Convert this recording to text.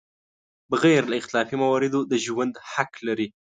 بغیر له اختلافي مواردو د ژوند حق لري.